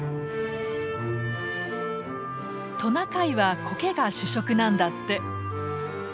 トナカイはコケが主食なんだって。